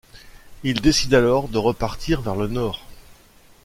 Il décide alors de repartir vers le nord.